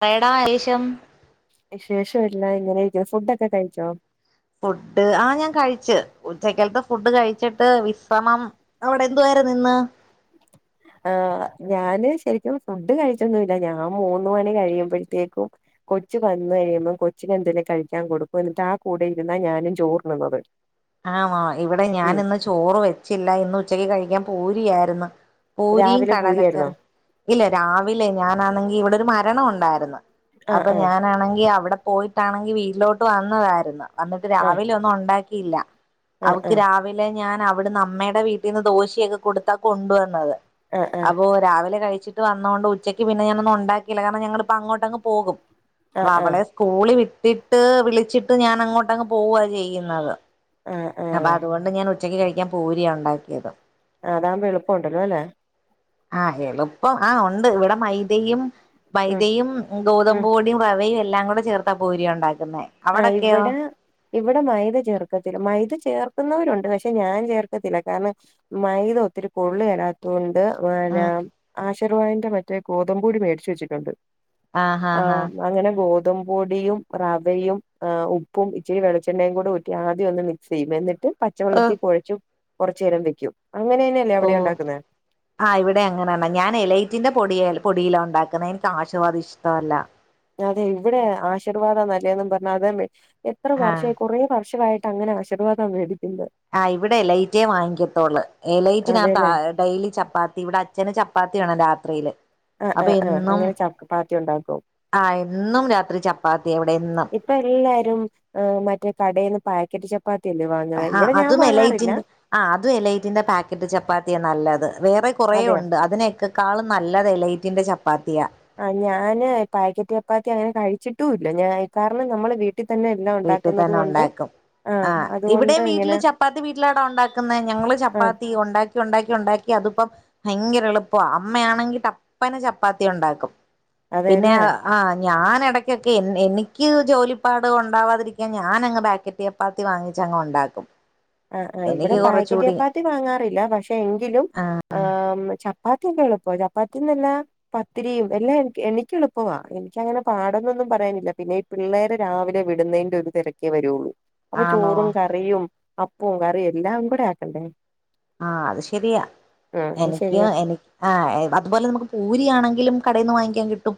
പറേയെടാ വിശേഷം വിശേഷമല്ല ഇങ്ങനെക്കെ ഫുഡൊക്കെ കഴിച്ചോ ഫുഡ് ആ ഞാൻ കഴിച്ചു ഉച്ചക്കത്തെ ഫുഡ് കഴിച്ചിട്ട് വിശ്രമം അവിടെ എന്തു വാരുന്നു ഇന്ന് ആ ഞാന് ശരിക്കും ഫുഡ് കഴിച്ചൊന്നുംല്ല ഞാൻ മൂന്നു മണി കഴിയുമ്പോഴത്തേക്കും കൊച്ചു വന്ന കഴിയുമ്പം കൊച്ചിന് എന്തേലും കഴിക്കാൻ കൊടുക്കും എന്നിട്ടു ആ കൂടെ ഇരുന്നാ ഞാനും ചോർതി ന്നുന്നത് ആ ഇവിടെ ഞാൻ ഇന്ന് ചോറ് വെച്ചില്ല ഇന്ന് ഉച്ചക്ക് കഴിക്കാൻ പൂരി ആരുന്നു പൂരിയും രാവിലെ പൂരിയായിരുന്നോ കടലക്കറിയും ഇല്ല രാവിലെ ഞാനാണെങ്കി ഇവിടൊരു മരി മരണം ഉണ്ടാരുന്ന് ആഹ് അപ്പൊ ആഹ് ഞാനാണെങ്കി അവിടെ പോയിട്ടാണെങ്കി വീട്ടിലോട്ട് വന്നതാര്ന്ന് എന്നിട്ട് ആഹ് രാവിലെ ഒന്നും ഉണ്ടാക്കി ഇല്ല ആഹ് അവക്ക് രാവിലെ ഞാൻ അവിടുന്ന് അമ്മയുടെ വീട്ടിന്ന് ദോശയൊക്കെ കൊടുത്താ കൊണ്ടുവന്നത് ആഹ് ആഹ് ആഹ് അപ്പൊ രാവിലെ കഴി ച്ചിട്ട് വന്നത് കൊണ്ട് ഉച്ചക്ക് പിന്നെ ഞാനൊന്നും ഉണ്ടാക്കീല്ല കാരണം ഞങ്ങളിപ്പോ അങ്ങോട്ടങ്ങ് പോകും. ആഹ് അപ്പൊ ആഹ് അവളെ സ്കൂളി വിട്ട് വിട്ട് വിളിച്ചിട്ട് ഞാൻ അങ്ങോട്ടങ്ങ് പോവ ചെയ്യുന്നത്. ആഹ് അപ്പൊ ആഹ് അതുകൊണ്ട് ഞാൻ ഉ ച്ചക്ക് കഴിക്കാൻ പൂരിയ ഉണ്ടാക്കിയത്. ആഹ് അതാകുമ്പോ എളുപ്പം ഉണ്ടല്ലോ അല്ലേ? ആഹ് എളുപ്പം ആഹ് ഉണ്ട് ഇവിടെ മൈദയും ഉം മൈദയും ഉം ഗോതമ്പ് പൊടിയും റവയും എല്ലാം എല്ലാം കൂടി ചേർത്ത പൂരി ഉണ്ടാ ആഹ് ഇവിടെ ഇവിടെ മൈദ ചേർക്കത്തില്ല മൈദ ചേർ ക്കുന്നവരുണ്ട് പക്ഷെ ഞാൻ ചേർക്കത്തില്ല കാരണം മൈദ ഒത്തിരി കൊള്ളുകേലാത്തത് കൊ ണ്ട് പിന്ന ഉം ആശിർ വാതിന്റെ മറ്റേ ഗോതമ്പ് പൊടി മേടിച്ച് വെച്ചിട്ടുണ്ട്. ആഹ് അങ്ങനെ ഗോത ട്ടും പൊടിയും, റവയും ആഹ് ഉപ്പും ഇച്ചിരി വെളിച്ചെണ്ണയും കൂടെ ഊട്ടി ആദ്യം ഒന്ന് മിക്സ്യ്യ. എന്നട്ട് പച്ചവെള്ളത്തി ഓഹ് കുഴച്ചു കൊർച്ചു നേരം വയ്ക്കും ഓഹ് ആ ഇവിടെ അങ്ങനാണ്. ഞാന് എലൈറ്റിന്റെ പൊടിയാ എ പൊടിയിലാ ണ്ടാക്ണേ ൻക്ക് ആശിർവാദ് ഇഷ്ടവല്ല. അതെ ഇവിടെ ആശീർവാദ നല്ലേന്നും പറഞ്ഞാതേ മേ എത്ര ആഹ് വർഷവായി കുറേ വർഷവായി ട്ടങ്ങനെ ആശിർവാദ മേടിക് ആഹ് ഇവിടെ എലൈറ്റേ വാങ്ങിക്കത്തോള്ള്. എലൈറ്റിനാത്ത അതെല്ലേ ഡെയ്ലി ചപ്പാത്തി ഇവിടെ അച്ഛന് ചപ്പാ ത്തി വേണം രാത്രിയില്. ആഹ് അപ്പൊ ആഹ് ആഹ് എന്നും അങ്ങനെ ചപ്പാത്തി ഉണ്ടാക്കും ആ എന്നും രാത്രി ചപ്പാത്തി അവിടെ എന്നും ഉം ഹ് മറ്റെ കടെന്ന് പാക്കറ്റ് ചപ് ആ അതും എലൈറ്റിന്റെ ആ അതും എലൈറ്റിന്റെ പാക്കറ്റ് ചപ്പാത്തിയ നല്ലത് വേറെ കുറെ അതെയോ ഉണ്ട് അതിനെക്കെ ക്കാളും നല്ലത് എലൈറ്റിന്റെ ചപ്പാത്തിയ. ആ ഞാന് പാക്കറ്റ് ചപ്പാത്തി അങ്ങനെ കഴിച്ചിട്ടുംല്ല. ഞ കാരണം നമ്മള് വീട് വീട്ടി തന്നെ ഉണ്ടാക്കും. ആ ആഹ് അതുകൊണ്ട് ഇവിടെയും വീട്ടില് ഇങ്ങനെ ചപ്പാത്തി വീട്ടിലാണോ ഉണ്ടാക്കുന്നേ ഞങ്ങള് ആഹ് ചപ്പാത്തി ഉണ്ടാ ഉണ്ടാക്കി ഉണ്ടാക്കി അതിപ്പം ഭയങ്കര എളുപ്പാ, അമ്മയാണെങ്കി ടപ്പനേ ചപ്പാത്തി ഉണ്ടാക്കും പിന്നെ അതെല്ലേ ആഹ് ഞാന് എടയ്ക്കൊക്കെ എൻ നിക്ക് ജോലിപ്പാട് കൊ ഉണ്ടാവാതിരിക്കാൻ ഞാനങ്ങ് പേക്കറ്റ് ചപ്പാത്തി വാങ്ങിച്ചങ്ങ് ഒണ്ടാക്കും ആ ആ ഇവിടെ പേക്കറ്റ് ചപ്പാത്തി വാങ്ങാറില്ല പക്ഷെ എങ്കിലും ആ ഏഹ് ചപ് പ്പാത്തി കൊഴപ്പോ ചപ്പാത്തിയും പിന്നെ പത്തിരിയും എല്ലാം എനിക്ക് എനിക്ക് എളുപ്പവാ എനിക്കങ്ങനെ പാടന്നൊന്നും പറയാനില്ല, പിന്നെ ഈ പിള്ളേര് രാവിലെ വിടുന്നേന്റെ ഒരു തെരക്കേ വരോള്ളൂ. അപ്പൊ ആണോ ചോറും കറിയും അപ്പ് പൂങ്കറി എല്ലാം കൂടെ ആക്കണ്ടേ. ആഹ് അത് ശരിയാ ആഹ് എനിക്ക് ശരിയാ എനി ആഹ് അതുപോലെ നമുക്ക് പൂരിയാണെങ്കിലും കടെന്ന് വാങ്ങിക്കാൻ കിട്ടും.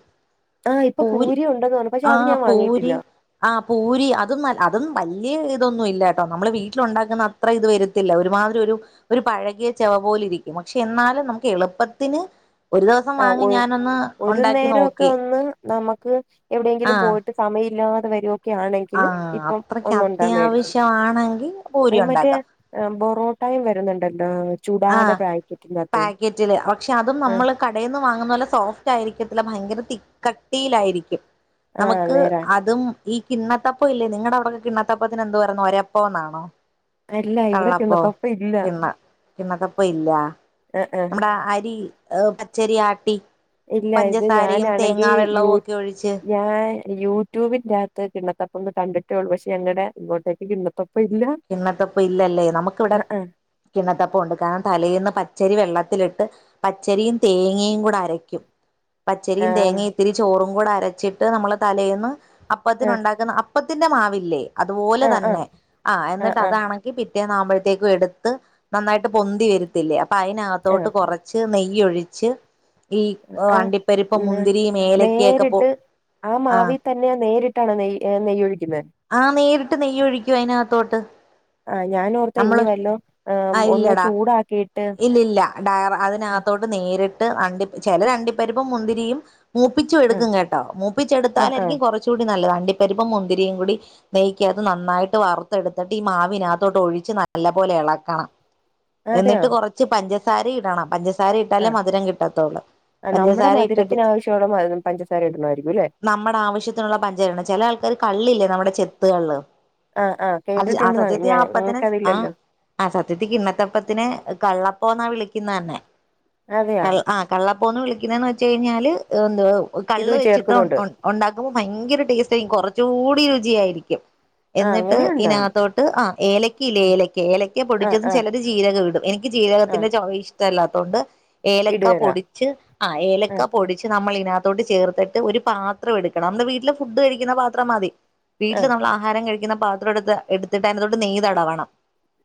ആഹ് ഇപ്പൊ പൂരി ഉണ്ടെന്ന് പറഞ്ഞു പക്ഷെ അത് ആഹ് ഞാൻ പൂരി വാങ്ങിയിട്ടില്ല ആഹ് പൂരി അതൊന്നല്ല അതൊന്നും വല്ല്യാ ഇ ഇതൊന്നും ഇല്ല കേട്ടോ നമ്മള് വീട്ടിൽുണ്ടാക്കുന്ന അത്ര ഇത് വരുത്തില്ല ഒരുമാതിരി ഒരു ഒരു പഴകിയ ചെവ പോലെ ഇരിക്കും പക്ഷെ എന്നാലും നമുക്ക് എളുപ്പത്തിന് ഒരു ദിവസം ആഹ് വാങ്ങി ഒ ഞാനൊന്ന് ഒരു ഉണ്ടാക്കി നേരംഒക്കെ നോക്കി ഒന്ന് നമുക്ക് എവിടെയെങ്കിലും ആഹ് പോയിട്ട് സമയില്ലാ വരും. ആഹ് അത്രക്ക് മേടിച്ചു അത്യാവശ്യമാണെങ്കിൽ പൂരി ഉണ്ടാക്കാം. ടൈം വരുന്നുണ്ടന്റോ. ആഹ് പാക്കറ്റില് പക്ഷെ അതും ആഹ് നമ്മള് കടെന്ന് വാങ്ങുന്നത് പോലെസോഫ്റ്റ് ആയിരിക്കത്തില്ല ഭയങ്കര തിക്കട്ടിയിലായിരിക്കും ആഹ് നമുക്ക് നേരാ അതും ഈ കിണ്ണത്തപ്പം ഇല്ലേ നിങ്ങളുടെ അവിടൊക്കെ കിണത്തപ്പത്തിന് എന്തു പറയന്നു ഒരപ്പം എന്നാണോ അല്ല ഇവിടെ കള്ളപ്പം കിണ്ണത്തപ്പം ഇല്ല കിണ്ണ കിണ്ണത്തപ്പം ഇല്ല ആഹ് ആഹ് നമ്മടെ അരി ഹ് പച്ചരി ആട്ടി. ഇല്ല ഇത് പഞ്ചസാരയും ഞാനാണെങ്കിൽ തേങ്ങാ യൂ വെള്ളവും ഒക്കെ ഒഴിച്ച് ഞാൻ യൂട്യൂബിന്റെകത്ത് കിണ്ണത്തപ്പൊ കണ്ടിട്ടേള്ളൂ പക്ഷെ ഞങ്ങടെ ഇങ്ങോട്ടേക്ക് കിണത്തപ്പം കിണ്ണത്തപ്പം ഇല്ലല്ലേ നമുക്കിവിടെ ആഹ് കിണ്ണത്തപ്പം ഉണ്ട് കാരണം തലേന്ന് പച്ചരി വെള്ള ത്തിലിട്ട് പച്ചരിയും തേങ്ങയും കൂടെ അരയ്ക്കും പച്ചരിയും ആഹ് തേങ്ങയും ഇത്തിരി ചോറും കൂടെ അരച്ചിട്ട് നമ്മള് തലേന്ന് അപ്പത്തിന് ആഹ് ഉണ്ടാക്കുന്ന അ അപ്പത്തിന്റെ മാവില്ലേ അതുപോലെ ആഹ് ആഹ് തന്നെ ആഹ് എന്നിട്ട് അതാണെങ്കി പി പിറ്റേന്നാവുമ്പഴ്ത്തക്കും എടുത്ത് നന്നായിട്ട് പൊന്തി വരുത്തില്ലേ അ അപ്പ അയിനകത്തോട്ട് ആഹ് കുറച്ച് നെയ്യ് നെയ്യൊഴിച് ഈ ആഹ് ആഹ് അണ്ടിപ്പരിപ്പും ന്നാ മുന്തിരീം ഏലക്കേക്ക പോ നേരിട്ട് ആഹ് ട്ടാണ് നെയ്യ് നെയ്യ് ഒഴിക്കുന്നേ ആഹ് നേരിട്ട് നെയ്യൊഴിക്കും അയിനാത്തോട്ട് ആഹ് ഞാനോർത്തെ ഇനി അമ്മള് വല്ലോ ആഹ് ഒന്ന് ഇല്ലടാ ചൂടാക്കിയിട്ട് ഇല്ലില്ലാ ഡൈർ ആഹ് അതിനാത്തോട്ട് നേരി [unintelligible] ചിലര് അണ്ടിപ്പരുപ്പും മുന്തിരിയും മൂപ്പിച്ചും ആഹ് എടുക്കും കേട്ടോ ആഹ് ആഹ് മൂപ്പിച്ചെടുത്താലായിരിക്കും കുറച്ചുകൂടി നല്ലതാണ് അണ്ടിപരിപ്പും മുന്തിരിയും കൂടി നെയ്ക്കകത്ത് നന്നായിട്ട് വറുത്തെടുത്തിട്ട് ഈ മാവിനകത്തോട്ട് ഒഴിച്ച് നല്ല പോലെ എളക്കണം അതെയോ എന്നിട്ട് കൊറച്ച് പഞ്ച പഞ്ചസാരയിടണം പഞ്ച പഞ്ചസാര ഇട്ടാലേ ആഹ് മധുരം കിട്ടത്തൊള്ള് ആഹ് നമ്മുടെ പഞ്ചസാര ഇട്ടിട്ട് മധുരത്തിന് ആവശ്യമുള്ള മധു പഞ്ചസാര ഇടണമായിരിക്കും അല്ലേ നമ്മുടെ ആവശ്യത്തിനുള്ള പഞ്ചാര ചില ആൾക്കാർ കള്ളില്ലേ നമ്മുടെ ചെത്തുകള്ള് ആഹ് ആഹ് അത് ആ കേട്ടിട്ടുണ്ട് ന- സത്യത്തി ഞ ആ അപ്പത്തിന് ആ ഞങ്ങക്കതില്ലല്ലോ ആ സത്യത്തി കിണ്ണത്തപ്പത്തിന് കള്ളപ്പ പ്പോന്നാ വിളിക്കുന്ന തന്നെ അതെയോ കള്ള ആഹ് കള്ളപ്പ അപ്പോന്ന് വിളിക്കുന്നതന്ന് വച്ച് കഴിഞ്ഞാല് എന്തു ഇത് കള്ള് വെച്ചിട്ട് ചേർക്കുന്നുണ്ട് ഒ ഒണ്ടാക്കുമ്പോ ഭയങ്കര ടേസ്റ്റ് ആയിരിക്കും കുറ ചൂടി രുചിയായി രിക്കും ആഹ് എന്നിട്ട് അങ്ങനെയുണ്ടോ ഇതിനകത്തോട്ട് ആ ഏലയ്ക്ക ല്ലേ ഉം ഏലയ്ക്ക ഏലയ്ക്ക ആഹ് പൊടിച്ചതും ആഹ് ചിലര് ജീരകവിടും എനിക്ക് ആഹ് ജീരകത്തിന്റെ ചൊവ ഇഷ് ഇഷ്ടല്ലാത്തോണ്ട് ഏലക്ക ഇടുകേല പൊടിച്ച് ആ ഏലക്ക ആഹ് പൊടിച്ച് നമ്മൾ അതിനകത്തോട്ട് ചേർത്തിട്ട് ഒരു പാത്രം എടുക്കണം നമ്മടെ വീട്ടില് ഫുഡ് കഴിക്കുന്ന പാത്രം മതി വീട്ടിൽ ആഹ് നമ്മൾ ആഹാരം കഴി [unintelligible] ക്കുന്ന പാത്രം എടുത്ത് എടുത്തിട്ട് അതിനാത്തോട്ട് നെയ്തടവണം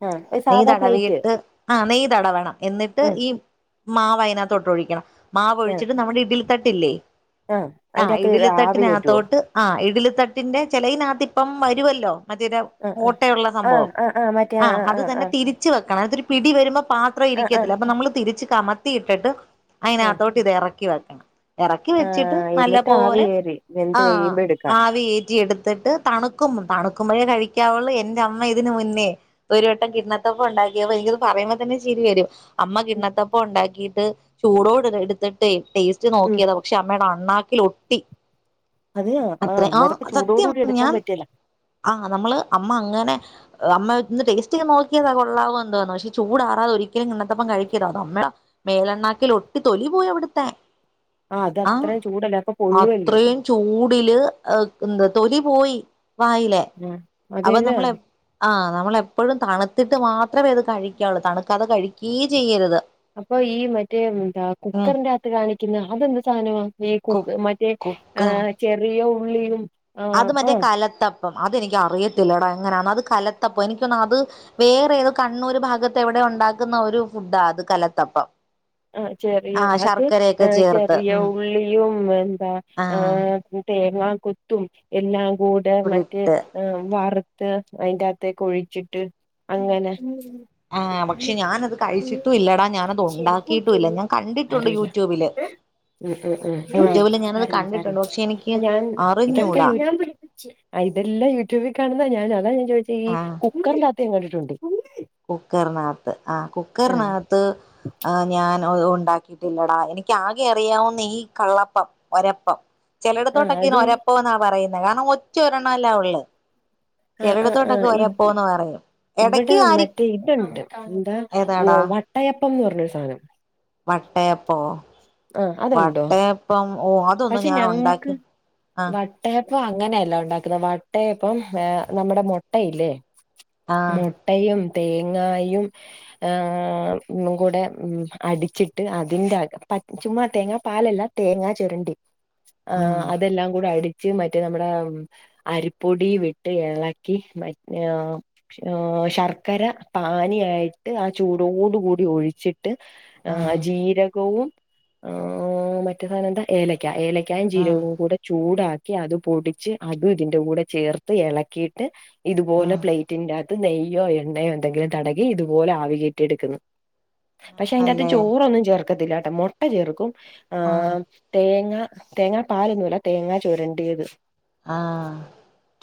ആഹ് ഒരു സാധാ പ്ലേറ്റ് ആ നെയ്തടവണം എന്നിട്ട് ഉം ഈ മാവ് അതിനകത്തോട്ട് ഒഴിക്കണം മാവ് ആഹ് ഒഴിച്ചിട്ട് നമ്മുടെ ഇടിലി തട്ടി ഉപ്പില്ലേ ആഹ് ആ അതിന്റകത്ത് ഇടിലി ആവി കേറ്റുവോ തട്ടിനകത്തോട്ട് ആ ഇടലിത്തട്ടിന്റെ ചിലയിതിനകത്ത് ഇപ്പം വരുവല്ലോ മധുരം ആഹ് ആഹ് ഓട്ടയുള്ള ആഹ് സംഭവം ആഹ് മറ്റേ ആഹ് അത് തന്നെ ആഹ് തിരിച്ച് വെ അങ്ങനത്തൊരു പിടി വരുമ്പോ പാത്രം ആഹ് ആഹ് ഇരിക്കത്തില്ല അപ്പൊ നമ്മള് തിരിച്ച് കമത്തി ഇട്ടിട്ട് ആഹ് അയിനാതോട്ട് ഇത് ഇറക്കി വെക്കണം ഇറക്കി വെച്ചിട്ട് ആഹ് നല്ല എന്നിട്ട് ആവി പോലെ കേറി വെന്ത് ആഹ് കഴിയുമ്പോ എടുക്കാം ആവി കെയറ്റി എടു ത്തിട്ട് തണുക്കുമ്പ തണുക്കുമ്പോഴേ കഴിക്കാവുള്ളൂ എന്റെ അമ്മ ഇതിന് മുന്നേ ഒരു വട്ടം കിണ്ണത്തപ്പം ഉണ്ടാക്കിയപ്പോ എനിക്കത് പറയുമ്പോ തന്നെ ചിരി വരും അമ്മ ഉം കിണ്ണത്തപ്പ് ഉണ്ടാക്കീട്ട് ട്ട് ചൂടോടെ എടുത്തി ടേസ്റ്റ് ഉം നോക്കിയത പക്ഷ അമ്മേട അണ്ണാക്കിൽ ഒട്ടി അതെയ അത്ര ആഹ് അന്നേരത്ത് ചൂടോട് സത്യം കൂടി എടു ഞാൻ ആഹ് നമ്മള് അമ്മ അങ്ങനെ അമ്മ ഇന്ന് ടേസ്റ്റ് ചെയ്ത് നോക്കിയതാ കൊള്ളാവ എന്തന്നു പക്ഷെ ചൂടാറാതെ ഒരിക്കലും കിണത്തപ്പം കഴിക്കല്ലും അത് അമ്മേട മേലെണ്ണാക്കിൽ ഒട്ടി തൊലി പോയി അവിടത്തെ അത് ആഹ് അത്രയും ചൂടല്ലേ അപ്പൊ പൊള്ളുവല്ലോ അത്രയും ചൂടില് എന്ത് തൊലി പോയി വായിലേ ആ അപ്പൊ അതന്നെ നമ്മള് എപ്പോആ നമ്മളെപ്പോഴും തണുത്തി ത്ത് മാത്രമേ അത് കഴിക്കുള്ളൂ തണുക്കാതെ കഴിക്കേ ചെയ്യരുത് അപ്പൊ ഈ മറ്റേ എന്താ ഉം കുക്കറിന്റെ അകത്ത് കാണിക്കുന്ന അതെന്ത് സാധനമാണ് ഈ കു കുക്ക് മറ്റേ കുക്കർ ചെറിയോ ഉള്ളീലും അത് മറ്റേ കലത്തം അതെനിക്ക് അറിയത്തില്ലടാ എങ്ങനെയാണ് അത് കലത്തപ്പം എനിക്ക് തോന്നണ് അത് വേറേത് കണ്ണൂർ ഭാഗത്ത് എവിടെ ഉണ്ടാക്കുന്ന ഒരു ഫുഡാണ് അത് കലത്തപ്പം ആ ചെറിയ ആഹ് അത് ശർക്കരയൊക്കെ ചേർത്ത് ചെറിയ ഉം ഉള്ളിയും എന്താ ആ ആഹ് തേങ്ങ കൊത്തും എല്ലാം കൂട് മറ്റ് കൂടിട്ട് വറുത്ത് അയിന്റെ ത്തെക്ക് ഒഴിച്ചിട്ട് അങ്ങനെ ആ പക്ഷെ ഞാനത് കഴിച്ചിട്ടും ഇല്ലടാ ഞാനത് ഉം ഒണ്ടാക്കീട്ട് സാരമില്ല ഉം ഉം ഉംആ യൂട്യൂബില് ഞാനത് സാരമില്ല കണ്ടിട്ടുണ്ട് സാരമില്ല പക്ഷെ എനിക്ക് ഞാൻ ഇതൊക്കെ അറിഞ്ഞൂടാ യൂട്യൂ ഇതെല്ലാം യൂട്യൂബിൽ കെടന്ന ഞാൻ അതാ ഞാൻ ചേച്ചി കുക്കറിനകത്ത് ഞാൻ കണ്ടിട്ടുണ്ട് കുക്കർനാത്ത് ആ ആ കുക്കറിനകത്ത് അ ഞാൻ ട ഇത് ഉണ്ടാക്കിട്ടില്ലടാ എനിക്ക് ആകെ അറിയാവുന്ന ഈ കള്ളപ്പം ഒരപ്പം ആ ചെലയിടത്തോട്ടൊക്കെ അത് ഈ ഒരപ്പ എന്നാ പറയുന്നത് കാരണം ഒറ്റ ഒരെണ്ണല്ല ഒള്ള് ആഹ് ആഹ് ആഹ് ചെലടത്തോട്ടൊക്കെ ഒരപ്പന്ന് പറയും ഇടക്ക് ആരി തെ ഇത്ണ്ട് എന്താ ഏതാടാ വട്ടയ ടന്ന് പറഞ്ഞൊരു സാനം വട്ടയപ്പോ ആ അതുണ്ടോ, വട്ടയപ്പം ഓ അതൊന്നും പക്ഷെ ഞാൻ ഞങ്ങക്ക് ഉണ്ടാക്കി ആ വട്ടയപ്പം അങ്ങനെയല്ല ഒണ്ടാക്കുന്നേ വട്ടയപ്പം ഏ നമ്മുടെ മൊ ട്ടയില്ലേ ആ മുട്ടയും തേങ്ങായും ഏഹ് ഒന്നും കൂടെ അടിച്ചിട്ട് അതിന്റെ അകം പ ചുമ്മാ തേങ്ങ പാലല്ല തേങ്ങ ചൊരുണ്ടി ആ ഉം അതെല്ലാം കൂടെ അടി ച്ച് മറ്റേ നമ്മടെ അരിപ്പൊടി വിട്ട് എളക്കി വ [unintelligible] ഏഹ് ഏഹ് ശർക്കര പാനീയായിട്ട് ആ ചൂടോട് കൂടി ഒഴിച്ചി ട്ട് ആ ഏഹ് ജീരകവും ആ ഉ മറ്റേ സാനം എന്താ ഏലയ്ക്ക ഏല കഴി ആ ജീരകവും കൂടെ ചൂടാ ക്കി അത് പൊടിച്ച് അതും ഇതിന്റെ കൂടെ ചേർത്ത് എളക്കിയിട്ട് ആ ഇതുപോലെ പ്ലേറ്റിന്റെ അ ത്ത് നെയ്യോ എണ്ണയോ എന്തെങ്കിലും തടകി ഇതുപോലെ ആവി കേറ്റി എടുക്കുന്നു പക്ഷെ അയിന്റെകത്ത് ആണല്ലേ ചോറൊന്നും ചേർക്കത്തില്ല. മൊ ട്ട ചേർക്കും. ആ തേങ്ങ, തേങ്ങ പാലൊന്നുംല്ല തേങ്ങ ചുരണ്ടിയത്. ആ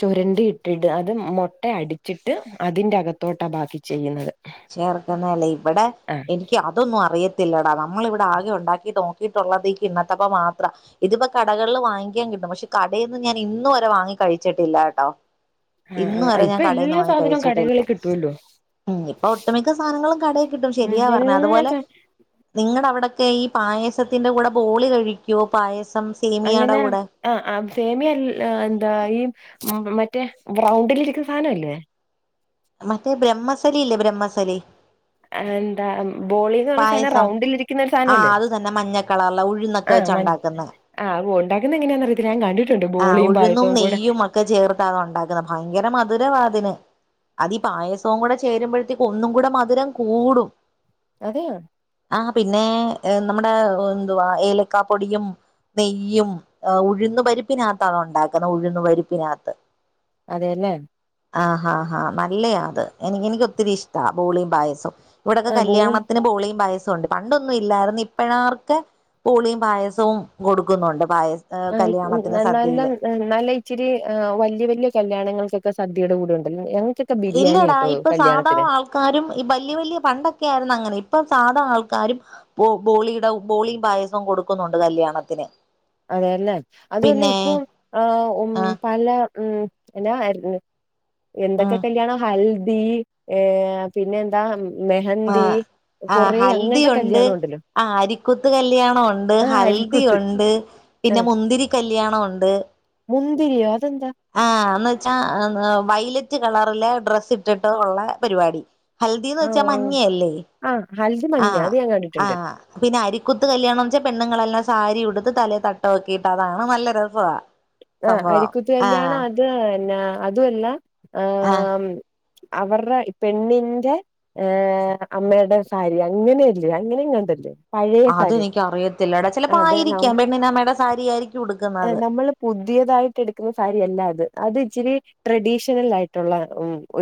ചുരണ്ടി ഇട്ടിട്ട് അത് മുട്ട അടിച്ചിട്ട് അതിൻ്റെകത്തോട്ടാണ് ബാക്കി ചെയ്യുന്നത്. ചേർക്കുന്ന അല്ലേ ഇവിട ആഹ് എനിക്ക് അതൊന്നും അറിയ കില്ലേടാ നമ്മള് ഇവിടെ ആകെ ഉണ്ടാക്കി നോക്കിയിട്ടുള്ളതേക്ക് ഇന്നട്ടപ്പ മാത്രം ഇതിപ്പ കടകളില് വാങ്ങിക്കാൻ കിട്ടും പക്ഷെ കടയിന്നും ഞാൻ ഇന്ന് വരെ വാങ്ങി കഴിച്ചിട്ടില്ലാട്ടോ ആആ ഇപ്പൊ എല്ലാ സാധനം കടകളിൽ കിട്ടുല്ലോ ഉം ഇപ്പൊ ഒട്ടുമിക്ക സാധനങ്ങളും കടയിൽ കിട്ടും ശരിയാണ് എല്ലാ അതുപോലെ സാ നിങ്ങടവിടെ കി ഈ പായസത്തിന്റെ കൂടെ ബോളി കഴിക്കോ പായസ അങ്ങനെ ആ ആ സേമിയല്ല എന്താ ഈ ഉം മറ്റേ ബ്രൗണ്ടിലിരിക്കു സാധനല്ലേ മറ്റേ ബ്രഹ്മസലി ഇല്ലേ ബ്രഹ്മസലി എന്താ ബോളിന്ന് പറഞ്ഞ സാധനം പായസം റൗണ്ടിലിരിക്കുന്ന ഒരു ആ സാധനല്ലേ അത് തന്നെ മഞ്ഞക്കളറല്ല ഉഴുന്നൊക്കെ ആഹ് വെച്ച മ ഉണ്ടാക്കുന്ന ആഹ് ഉണ്ടാക്കുന്ന എങ്ങെയാന്ന് അറിയത്തില്ല ഞാൻകണ്ടി ആ ഉഴുന്നും നെയ്യും അക്കെ ചേർത്തേർത്തത് ഉണ്ടാക്കുന്ന ഭയങ്കര മധുരവാതിന് അതി പായസോം കൂടെ ചേരുമ്പോഴത്തേക്ക് ഒന്നും കൂടെ മധുരം കൂടും അതെയോ ആ പിന്നെ നമ്മടെ എന്തുവാ ഏലക്കാ പൊടിയും നെയ്യും ഉഴുന്ന് പരിപ് പ്പിനകത്താ അത് ഉണ്ടാക്കുന്ന ഉഴന്ന് പരിപ്പിനകത്ത് അതെല്ലേ ആ ഹാ ഹാ നല്ലയാ അത് എനിക്ക് എനിക്ക് ഒത്തിരി ഇഷ്ടാ ബോളിയും പായസോം ഇവിടെക്കെ ആ ബോളിയം കല്യാണത്തിന് ബോളീം പായസം ണ്ട് പണ്ടൊന്നും ഇല്ലായിര്ന്ന് ഇപ്പഴാർക്ക് ബോളീം പായസോം കൊടുക്കുന്നുണ്ട് പായസ ആ കല്യാണ നല്ല നല്ല ഇച്ചിരി വല്യ വല്യ കല്യാണം ഞങ്ങൾക്കക്കെ സദ്യടെ കൂടെ ഉണ്ടല്ല ഞങ്ങ ഇല്ലടാ ഇപ്പൊ സാധാ ആൾക്കാരും ഈ വല്യ വല്യ പണ്ടൊക്കെ ആയിര്ന്ന അങ്ങനെ ഇപ് ഇപ്പം സാധാ ആൾക്കാരും ബോളിയുടെ ബോളിയും പായസം കൊടുക്കുന്നുണ്ട് കല്യാണത്തിന് അതെല്ലേ അതൊല്ല പിന്നെ ഇപ്പൊ ആ ഓ ആ പല ഉം എന്നാരുന്നു എന്തൊക്കെ ഉം കല്യാണോ ഹൽ യ് ഏ പിന്നെ എന്താ മെഹന്തി ആ കൊറേ അങ്ങനത്തെ ഹൽദിയുണ്ട് കല്യാണം ഉണ്ടല്ലോ ആ അരിക്കുത്ത് കല്യാണം ഉണ്ട് ആ അരിക്കുത്ത് ഹൽദിണ്ട് ണ്ട് പിന്നെ മുന്തിരി കല്യാണോണ്ട് മുന്തിരിയാ ആ എന്ന് വെച്ചാ വയല മറ്റ് കളറിലെ ഡ്രസ്സ് ഇട്ടിട്ട് ഒള്ള പരിപാടി ഹൽദീന്ന് ആ വെച്ചാ ആ മഞ്ഞയല്ലേ? ആ ഹൽദി മഞ്ഞ ആഹ് അത് ഞാൻ കണ്ടിട്ടുണ്ട് ആഹ് പിന്നെ അരിക്കൂത്ത് കല്യാണംന്ന് വെച്ചാ പെണ്ണുങ്ങളെല്ലാം സാരി ഉടുത്ത് തലെ തട്ടോക്കിയിട്ട് അതാണ് നല്ല രസവാ, ആ സംഭവം അരിക്കൂ ത്ത് കല്യാണം ആഹ് അത് പിന്ന അതൂഅല്ല ആഹ് ആം അവർടെ പെണ്ണിന്റെ ഏഹ് അമ്മേടെ സാരി അങ്ങനെയല്ലേ. അങ്ങനെയെങ്ങാണ്ടല്ലേ. അത് എനിക്കറിയത്തില്ലടാ. ചെലപ്പോ അത് ആയിരിക്കാം നമ്മൾ പെണ്ണിനമ്മേടെ സാരിയായിരി നമ്മള് പുതിയതായിട്ട് എടുക്കുന്ന സാരിയല്ല അത് അത് ഇച്ചിരി ട്രഡീഷണൽ ആയിട്ടൊള്ള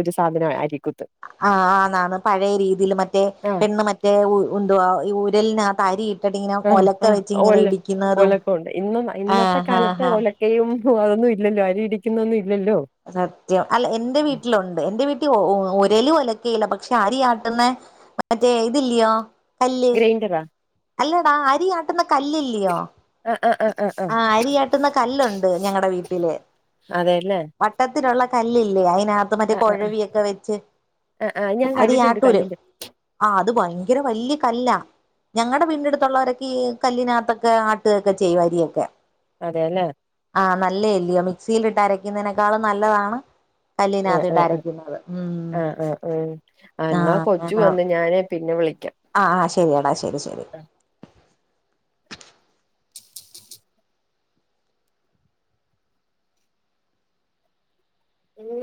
ഒരു സാധനം ആയിരി ആഹ് ആന്നാന്ന് പഴയ രീതിയിൽ മറ്റേ ആഹ് പെണ്ണ് മറ്റേ ഉ ഉന്തുവാ ഇ ഉ ഇതിനകത്ത് അരി ഇട്ട് ആണാ അ ഒലക്കൊണ്ട് ഇന്ന് ഇന്നത്തെ ആഹ് കാലത്ത് ആഹ് ആഹ് ഒലക്കയും ഹോ അതൊന്നും ഇല്ലല്ലോ അരി ഇടിക്കുന്നൊന്നും ഇ സത്യം അല്ല എന്റെ വീട്ടിലുണ്ട് എന്റെ വീട്ടിൽ ഒരലും അല്ല ക്കേല്ല പക്ഷെ അരി ആട്ടുന്ന മറ്റേ ഇതില്യോ. ഗ്രൈൻഡറാ അല്ലടാ അരിആട്ടുന്ന കല്ലില്ലയോ ആഹ് ആഹ് ആഹ് ആഹ് ആഹ് ആ അരിയാട്ടുന്ന കല്ലുണ്ട് ഞങ്ങടെ വീട്ടില് അതെല്ലേ വട്ട ട്ടത്തിലുള്ള കല്ലില്ലേ അ അയിനാത്ത് മറ്റേ ആഹ് ആഹ് കുഴവിയൊക്കെ വെച്ച് ആഹ് ആഹ് ഞാൻ അരി കണ്ടിട്ടുണ്ട് ആട്ടൂലേ കണ്ടിട്ടുണ്ട് ആ അത് പൊയി ഭയങ്കര വല്യ കല്ലാ ഞങ്ങളുടെ വീട്ടിന്റെ അടുത്തുള്ളവരൊക്കെ ഈ കല്ലിനാത്തൊക്കെ ആട്ടുക ഒക്കെ ചെയ്യും അരിയൊ ക്ക [inaudible] അത് തന്നെ ആഹ് നല്ലല്ലയോ മിക്സിലിട്ട് അരക്കുന്നതിനേക്കാളും നല്ലതാണ്. ആ ആ കല്ലിനകത്തിട്ട് അരയ്ക്കുന്നത് ഉം ആ ആ ആ് എന്നാ ആഹ് കൊച്ചു അങ്ങനെ വന്ന് ഞാന് പിന്നെ വിളി ആഹ് ആ ശ ശെരിയടാ ശെരി ശെരി ഊ